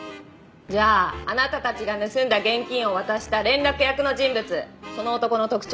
じゃああなたたちが盗んだ現金を渡した連絡役の人物その男の特徴を教えて。